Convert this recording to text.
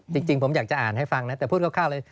จริงผมอยากจะอ่านให้ฟังนะแต่พูดคร่าวเลย